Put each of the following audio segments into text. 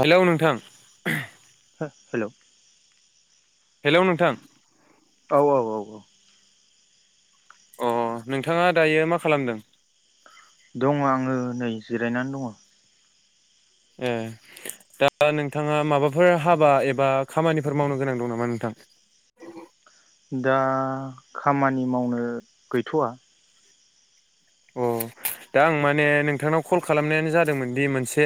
Hello नोंथां। हो hello. Hello नोंथां। औ औ औ औ। अ नोंथाङा दायो मा खालामदों? दङ आङो नै जिरायनानै दङ। ए दा नोंथाङा माबाफोर हाबा एबा खामानिफोर मावनो गोनां दं नामा नोंथां? दा खामानि मावनो गैथवा। अ दा आं माने नोंथांनाव कल खालामनायानो जादोंमोन दि मोनसे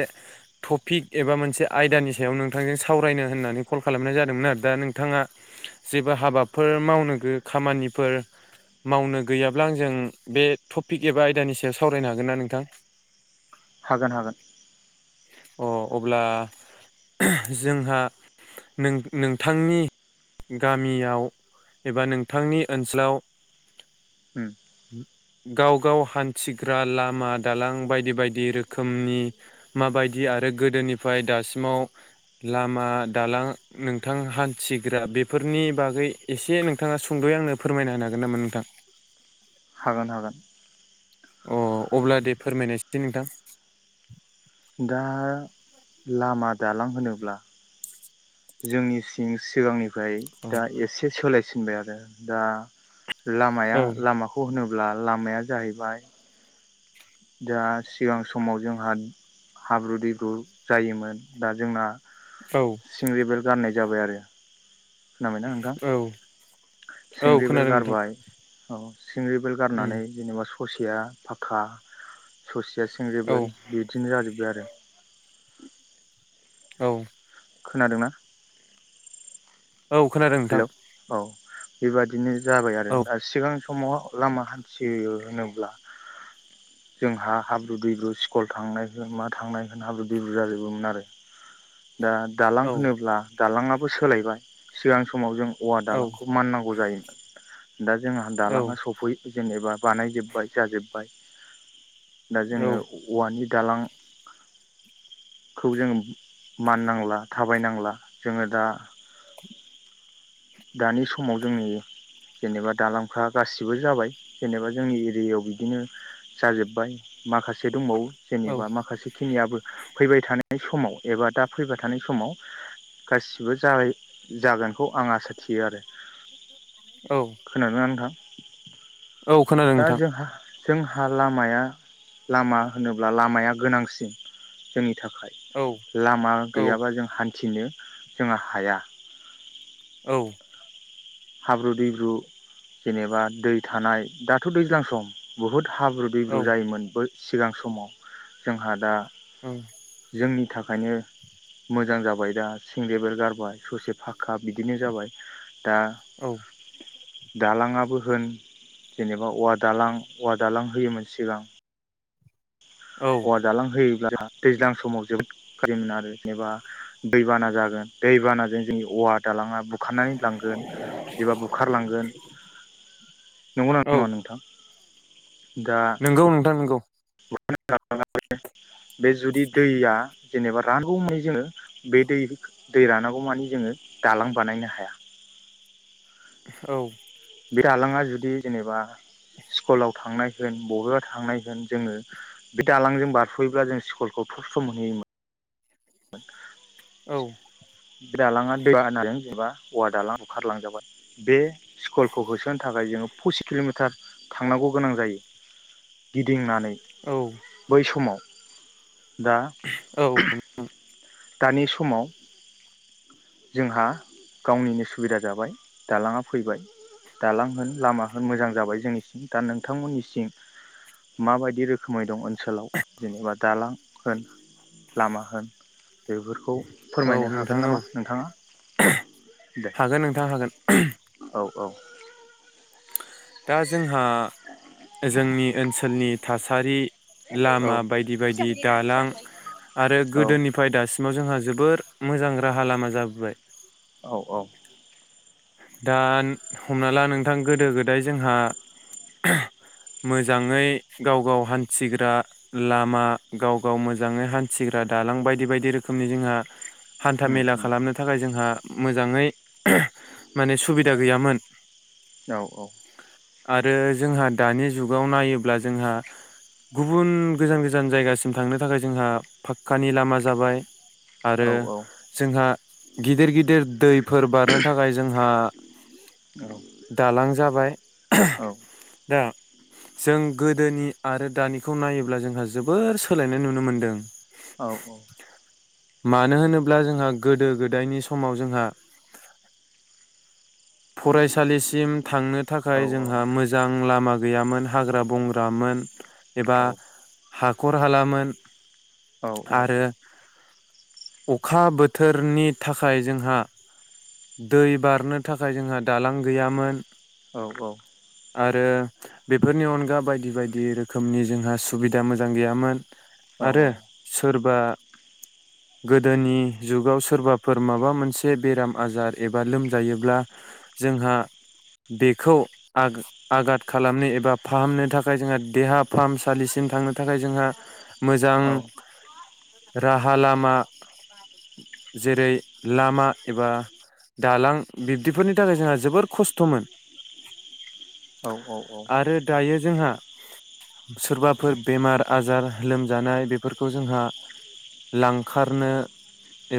टपिक एबा मोनसे आयदानि सायाव नोंथांजों सावरायनो होननानै कल खालामनाय जादोंमोन आरो दा नोंथाङा जेबो हाबाफोर मावनो गो खामानिफोर मावनो गैयाब्ला आंजों बे थप पिक एबा आयदानि सायाव सावरायनो हागोन ना नोंथां? हागोन हागोन। अ अब्ला जोंहा नों नोंथांनि गामियाव एबा नोंथांनि ओनसोलाव? उम उम। गाव गाव हान्थिग्रा लामा दालां बायदि बायदि रोखोमनि माबायदि आरो गोदोनिफ्राय दासिमाव लामा दालां नोंथां हान्थिग्रा बेफोरनि बागै एसे नोंथाङा सुंदयै आंनो फोरमायना होनो हागोन नामा नोंथां? हागोन हागोन। अ'अब्ला दे फोरमायनायसाय नोंथां दा लामा दालां होनोब्ला? जोंनि सिं सिगांनि फ्राय औ दा एसे सोलायस उम्बे आरो दा लामाया औ लामाखौ होनोब? अब्ला लामाया जाहैबाय दा सिगां समाव जोंहा हाब्रु दैब्रु जायोमोन दा जोंना औ सिंरि बेल गाननाय जाबाय आरो। खोनाबायना नोंथां औ औ सिंग्रि बेल खोनादों नोंथां गारबाय औ। सिंग्रि बेल उम गारनानै जेनेबा खुसेया फाखा ससि सें औ रेबेल बिदिनो जाजोब्बाय। [inaudible] औ। खोनादोंना? औ खोनादों हेलौ नोंथां। औ बेबादिनो जाबाय आरो औ दा सिगां समाव लामा हान्थियो होनोब्ला जोंहा हाब्रु दैब्रु स्कल थांनाय होन मा थांनाय होन हाब्रु दैब्रु जाजोबोमोन आरो। दा दालां औ होनोब्ला दालांङाबो सोलायबाय सिगां समाव जों औवा औ दालांखौ माननांगौ जायो दा जोंहा दालाङा सफै जेनेबा बानायजोब्बाय जाजोब्बाय। दा औ जोङो औवानि दालां खौ जोङो माननांला थाबायनांला जोङो दा दानि समाव जोंनि जेनेबा दालांफ्रा गासिबो जाबाय जेनेबा जोंनि एरियायाव बिदिनो जाजोब्बाय माखासे दंबावो। औ जेनेबा माखासे खिनियाबो फैबाय थानाय नाय समाव एबा दा फैबाय थानाय समाव गासिबो जाय जागोनखौ आं आसा थियो आरो। औ खोनादो ना नोंथां? औ खोनादों दा नोंथां। जोंहा जोंहा लामाया लामा होनोब्ला लामाया गोनांसिन जोंनि थाखाय औ लामा औ गैयाबा जों हान्थ थिनो जोङो हाया। औ। हाब्रु दैब्रु जेनेबा दै थानाय दाथ' दैज्लां सम बुहुद हाब्रु औ दैब्रु जायोमोन बै सिगां समाव जोंहा दा उम। जोंनि थाखायनो मोजां जाबाय दा सें ग्रेबेल गारबाय ससे फाक्का बिदिनो जाबाय दा औ। दालाङाबो होन जेनेबा औवा दालां औवा दालां होयोमोन सिगां। औ औवा दालां होयोब्ला जोंहा दैज्लां समाव जोबोद खारिरि मोन आरो जेनेबा दैबाना जागोन दैबानाजों जोंनि ववार्ड दालाङा बुखारनानै लांगोन एबा बुखारलांगोन नंगौ ना नङा नोंथां दा नोंगौ नोंथां नोंगौ [unintelligible] बे जुदि दैया जेनेबा रानगौ मानि जोंङो बे दै-दै रानागौ मानि जोंङो दालां बानायनो हाया। औ बे दालाङा जुदि जेनेबा स्कुलाव थांनाय होन बबेबा थांनाय होन जोंङो बे दालांजों बारस'योब्ला जों स्कुलखौ थबसर' मोनहैयोमोन। औ [unintelligible] दालाङा दै बानाजों जेनेबा औवा दालां बुखारलांजाबाय बे स्कुलखौ होसोनो थाखाय जोंङो पसिच किल'मिटार थांनांगौ गोनां जायो गिदिंनानै औ बै समाव दा औ दानि समाव जोंहा गावनिनो सुबिदा जाबाय दालाङा फैबाय दालां होन लामा होन मोजां जाबाय जोंनिसिं दा नोंथांमोननिसिम माबायदि रोखोमै दं ओनसोलाव जेनेबा दालां होन लामा होन बेफोरखौ औ फोरमायनो हागोन नोंथां औ नामा नोंथाङा दे हागोन नोंथां हागोन औ औ दा जोंहा जोंनि ओनसोलनि थासारि औ लामा बायदि बायदि दालां आरो औ गोदोनिफ्राय दासिमाव जोंहा जोबोर मोजां राहा लामा जाबोबाय औ औ दा हमना ला नोंथां गोदो-गोदाय जोंहा मोजाङै गाव गाव हान्थिग्रा लामा गाव गाव मोजाङै हान्थिग्रा दालां बायदि-बायदि रोखोमनि जोंहा हान्था उम मेला उम खालामनो थाखाय जोंहा मोजाङै माने सुबिदा गैयामोन औ औ आरो जोंहा दानि जुगाव नायोब्ला जोंहा गुबुन गोजान-गोजान जायगासिम थांनो थाखाय जोंहा फाक्कानि लामा जाबाय आरो औ जोंहा गिदिर-गिदिर दैफोर बारनो थाखाय जोंहा औ दालां जाबाय औ दा जों गोदोनि आरो दानिखौ नायोब्ला जोंहा जोबोर सोलायनाय नुनो मोनदों। औ औ मानो होनोब्ला जोंहा गोदो गोदायनि समाव जोंहा फरायसालिसिम थांनो औ थाखाय औ जोंहा औ मोजां लामा गैयामोन हाग्रा बंग्रामोन एबा हा हखर हालामोन आरो अखा बोथोरनि थाखाय जोंहा दै बारनो थाखाय जोंहा दालां गैयामोन। औ औ आरो बेफोरनि अनगा बायदि बायदि रोखोमनि जोंहा सुबिदा मोजां गैयामोन आरो सोरबा गोदोनि जुगाव सोरबाफोर माबा मोनसे बेराम आजार एबा लोमजायोब्ला जोंहा बेखौ आग-आघाद खालामनो एबा फाहामनो थाखाय जोंहा देहा फाहामसालिसिम थांनो थाखाय जोंहा मोजां राहा ला मा जेरै लामा एबा दालां बिब्दिफोरनि थाखाय जोंहा जोबोर खस्थ'मोन आरो दायो जोंहा सोरबाफोर बेमार आजार लोमजानाय बेफोरखौ जोंहा लांखारनो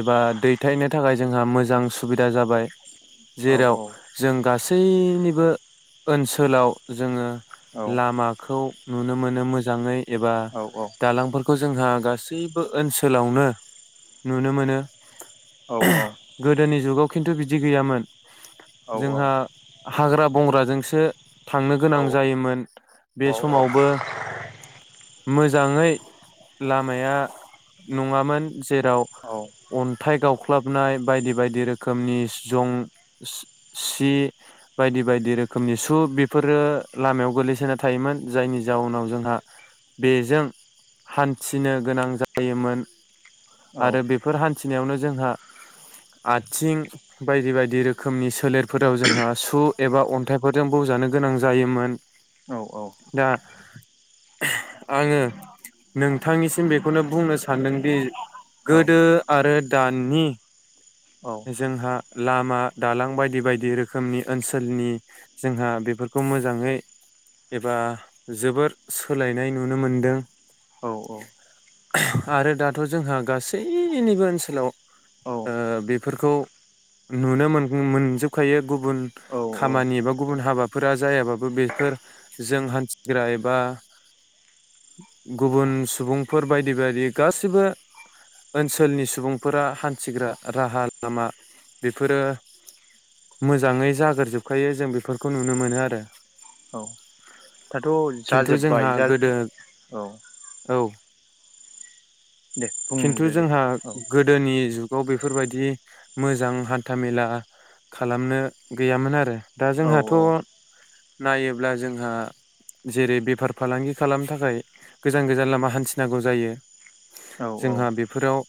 एबा दैथायनो थाखाय जोंहा मोजां सु सुबिदा जाबाय जेराव जों गासै सैनिबो ओनसोलाव जोङो लामाखौ नुनो मोनो मोजाङै एबा दालांफोरखौ जोंहा गासैबो ओनसोलावनो नुनो मोनो। औ औ गोदोनि जुगाव खिन्थु बिदि गैयामोन जोंहा हाग्रा बंग्राजोंसो थांनो गोनां जायोमोन। बे समावबो मोजाङै लामाया नङामोन जेराव अन्थाइ गावख्लाबनाय बायदि बायदि रोख खोमनि जं सि-सि बायदि बायदि रोखोमनि सु बेफोरो लामायाव गोग्लैसोना थायोमोन जायनि जाउनाव जोंहा बेजों हान्थिनो गोनां जायोमोन। आरो बेफोर हान थिनायावनो जोंहा आ थिं बायदि बायदि रोखोमनि सोलेरफोराव जोंहा सु एबा अन्थाइफोरजों बौजानो गोनां जायोमोन दा आङो नोंथांनिसिम बेखौनो बुंनो सानदोंदि औ गोदो आरो दानि औ औ जोंहा लामा दालां बायदि बायदि रोखोमनि ओनसोलनि जोंहा बेफोरखौ मोजाङै एबा जोबोर सोलायनाय नुनो मोनदों। औ औ। आरो दाथ' जोंहा गासैनिबो ओनसोलाव ओ औ बे फोरखौ नुनो मोन मोनजोखायो गुबुन औ औ खामानि एबा गुबुन हाबाफोरा जायाबाबो बेफोर जों हान्थिग्रा एबा गुबुन सुबुंफोर बायदि बायदि गासिबो ओनसोलनि सुबुंफोरा हान्थिग्रा राहा लामा बेफोरो मोजाङै जाग्रोजोबखायो जों बेफोरखौ नुनो मोनो आरो औ दाथ' खिन्थु जोंहा जाजोब्बाय जा गोदो औ। औ दे खिन्थु बुंदो दे जोंहा औ गोदोनि जुग आव बेफोरबायदि मोजां हान्थामेला खालामनो गैयामोन आरो दा औ जोंहाथ' नायोब्ला जोंहा जेरै बेफार फालांगि खालामनो थाखाय गोजान गोजान लामा हान्थिनांगौ जायो। औ जोंहा बेफोराव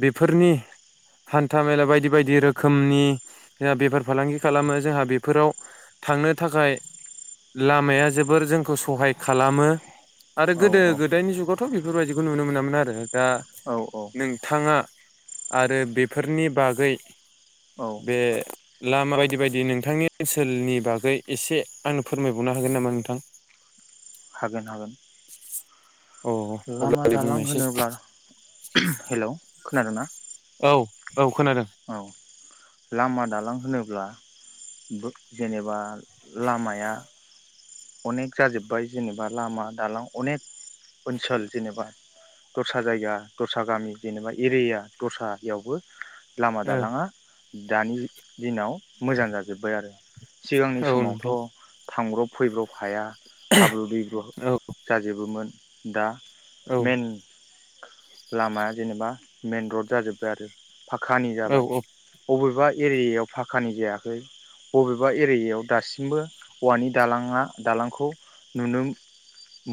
बेफोरनि हान्था मेला बायदि बायदि रोखोमनि जोंहा बेफार फालांगि खालामो जोंहा बेफोराव थांनो थाखाय लामाया जोबोर जोंखौ सहाय खालामो आरो गोदो गोदायनि जुगावथ' बेफोरबायदिखौ नुनो मोनामोन आरो दा औ नोंथाङा आरो बेफोरनि बागै औ बे लामा बायदि बायदि नोंथांनि ओनसोलनि बागै एसे आंनो फोरमायबावनो हागोन नामा नोंथां? हागोन हागोन। अ अब्लालाय बुंनायसाय। हेल' खोनादों ना? औ औ खोनादों औ लामा दालां होनो ब्ला जेनेबा लामाया अनेक जाजोब्बाय जेनेबा लामा दालां अनेक ओनसोल जेनेबा दस्रा जायगा दस्रा गामि जेनेबा एरिया दस्रायावबो लामा ओ दालाङा दानि दिनाव मोजां जाजोब्बाय आरो सिगांनि औ समावथ' नोंथां थांब्रब फैब्रब हाया। हाब्रु दैब्रु औ जाजोबोमोन। दा औ मेन लामाया जेनेबा मेन र'ड जाजोबदो आरो फाखानि औ जाबाय अबेबा एरियायाव फाखानि जायाखै अबेबा एरियायाव दासिमबो औवानि दालाङा दालांखौ नुनो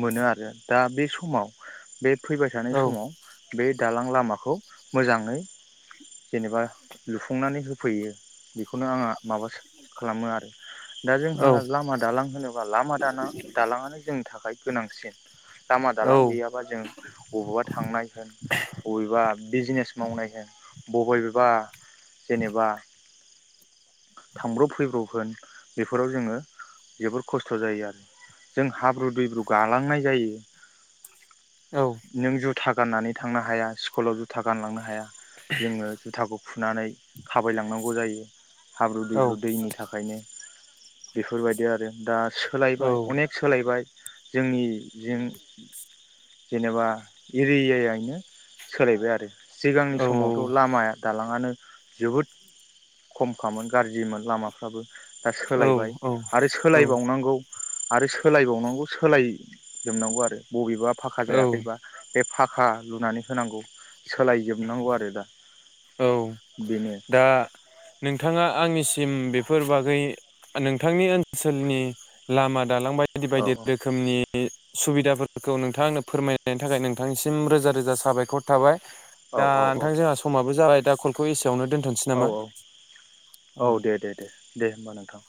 मोनो आरो दा बे समाव बे फैबाय थानाय औ समाव बे दालां लामाखौ मोजाङै जेनेबा लुफुंनानै होफैयो बेखौनो आङा माबा खालामो आरो। दा जोंहा लामा दालां होनोब्ला लामा दाना-दालाङानो जोंनि थाखाय गोनांसिन। लामा दालां औ औ गैयाबा जों अबेबा थांनाय होन अबेबा बिजनेस मावनाय होन बबेबबा जेनेबा थांब्रब फैब्रब होन बेफोराव जोङो जोबोर खस्थ जायो आरो जों हाब्रु दैब्रु गालांनाय जायो औ नों जु- था गाननानै थांनो हाया स्कुलाव जुथा गानलांनो हाया जोङो जुथाखौ खुनानै थाबायलांनांगौ जायो हाब्रु दैब्रु दैनि थाखायनो बेफोरबायदि आरो दा सोलायबाय अनेक सोलायबाय जोंनि जेन-जेनेबा एरियायैनो सोलायबाय आरो। सिगांनि औ समावथ लामाया दालां ङानो जोबोद खमखामोन गाज्रिमोन लामाफ्राबो दा सोलायबाय आरो औ सोलायबावनांगौ आरो सोलायबावनांगौ सोलायजोबनांगौ आरो बबेबा फाखा औ जायाखैबा बे फाखा लुनानै होनांगौ सोलायजोबनांगौ आरो दा औ बेनो दा नोंथाङा आंनि सिम बेफोर बागै नोंथांनि ओनसोलनि लामा दालां बायदि औ बायदि रोखोमनि सुबिदाफोरखौ नोंथांआ फोरमायनायनि थाखाय नोंथांनिसिम रोजा रोजा साबायखर थाबाय। औ दा औ नोंथां जोंहा समाबो जाबाय दा कल‌ खौ‌ एसे औ औ औ दे दे दे दे होमबा नोंथां।